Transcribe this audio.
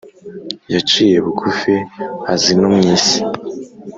Yaciye bugufi, - az’ino mw’isi